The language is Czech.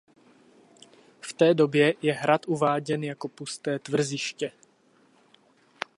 V té době je hrad uváděn jako pusté tvrziště.